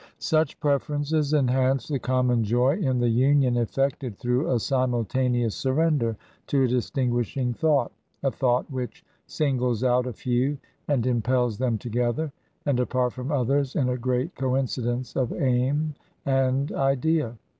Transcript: TRANSITION. 155 Such preferences enhance the common joy in the union effected through a simultaneous surrender to a distin guishing thought — a thought which singles out a few and impels them together, and apart from others, in a great coincidence of aim and idea.